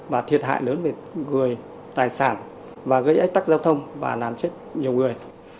và thiệt hại lớn về người tài sản và gây ách tắc giao thông và làm chết nhiều người